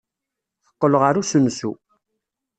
Teqqel ɣer usensu.